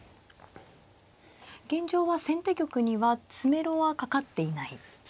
現状は先手玉には詰めろはかかっていないですね。